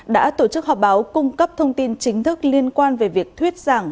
đã tổ chức họp báo cung cấp thông tin chính thức liên quan về việc thuyết giảng